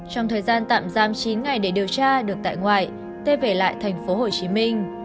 trong thời gian tạm giam chín ngày để điều tra được tại ngoại t về lại thành phố hồ chí minh